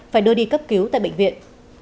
phải đưa đi cấp cứu tại bệnh viện